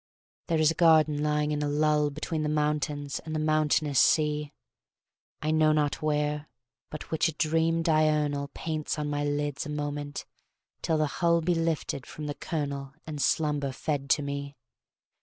There is a garden lying in a lull Between the mountains and the mountainous sea, I know not where, but which a dream diurnal Paints on my lids a moment till the hull Be lifted from the kernel And Slumber fed to me.